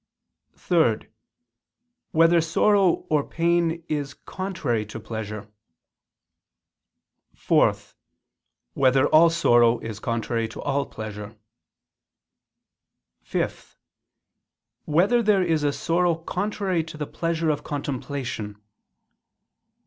(3) Whether sorrow or pain is contrary [to] pleasure? (4) Whether all sorrow is contrary to all pleasure? (5) Whether there is a sorrow contrary to the pleasure of contemplation?